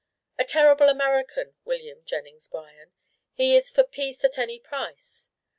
a terrible American, William Jennings Bryan. He is for 'peace at any price.